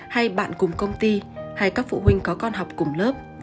hay bạn cùng công ty hay các phụ huynh có con học cùng lớp